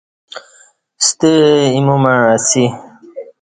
ستہ ایمو مع اسی